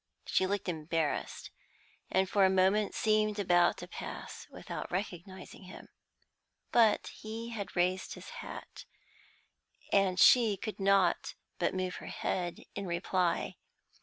She looked embarrassed, and for a moment seemed about to pass without recognising him; but he had raised his hat, and she could not but move her head in reply.